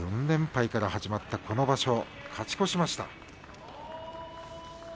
４連敗から始まったこの場所勝ち越しました。